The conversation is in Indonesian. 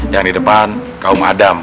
yang di depan kaum adam